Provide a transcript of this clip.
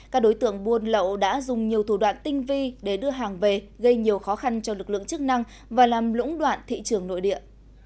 các đối tượng buôn lậu đã dùng nhiều thủ đoạn tinh vi để đưa hàng về gây nhiều khó khăn cho lực lượng chức năng và làm lũng đoạn thị trường nội địa